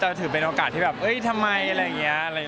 ถือเป็นโอกาสที่แบบเอ้ยทำไมอะไรอย่างนี้